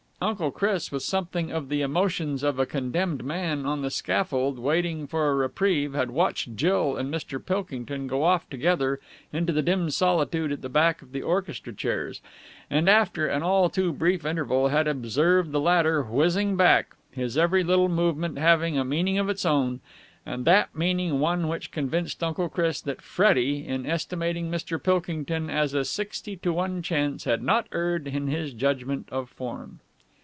Uncle Chris, with something of the emotions of a condemned man on the scaffold waiting for a reprieve, had watched Jill and Mr. Pilkington go off together into the dim solitude at the back of the orchestra chairs, and, after an all too brief interval, had observed the latter whizzing back, his every little movement having a meaning of its own and that meaning one which convinced Uncle Chris that Freddie, in estimating Mr. Pilkington as a sixty to one chance, had not erred in his judgment of form.